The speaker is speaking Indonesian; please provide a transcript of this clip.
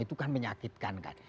itu kan menyakitkan kan